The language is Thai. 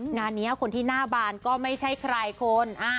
งานนี้คนที่หน้าบานก็ไม่ใช่ใครคน